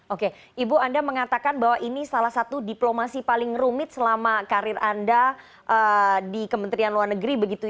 oke ibu anda mengatakan bahwa ini salah satu diplomasi paling rumit selama karir anda di kementerian luar negeri